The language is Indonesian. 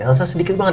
elsa sedikit banget